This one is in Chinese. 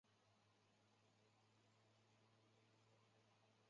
林师杰经理人合约男艺员。